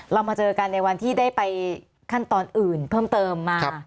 เรามาเจอกันในวันที่ได้ไปขั้นตอนอื่นเพิ่มเติมมา